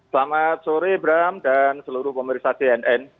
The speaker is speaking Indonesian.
selamat sore bram dan seluruh pemerintah cnn